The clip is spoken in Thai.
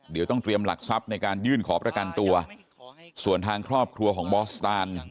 เดี๋ยวต้องเตรียมหลักทรัพย์ในการยื่นขอประกันตัวส่วนทางครอบครัวของบอสตาน